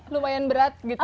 lumayan berat gitu